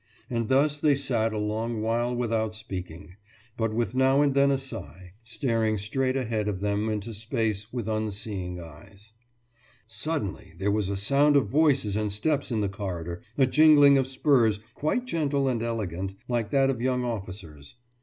And thus they sat a long while without speaking, but with now and then a sigh, staring straight ahead of them into space with unseeing eyes. Suddenly there was a sound of voices and steps in the corridor, a jingling of spurs, quite gentle and elegant, like that of young officers.